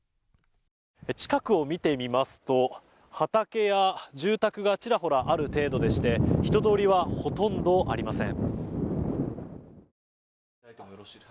近くを見てみますと畑や住宅がちらほらある程度でして人通りはほとんどありません。